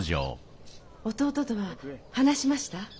弟とは話しました？